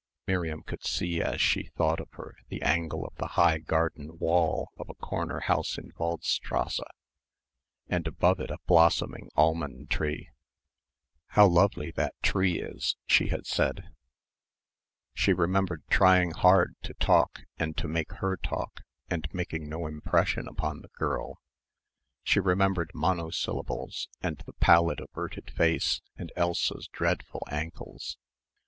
Miriam could see as she thought of her, the angle of the high garden wall of a corner house in Waldstrasse and above it a blossoming almond tree. "How lovely that tree is," she had said. She remembered trying hard to talk and to make her talk and making no impression upon the girl. She remembered monosyllables and the pallid averted face and Elsa's dreadful ankles.